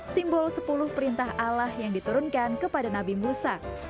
simbol sepuluh perintah allah yang diturunkan kepada nabi musa